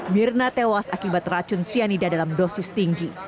mirna tewas akibat racun cyanida dalam dosis tinggi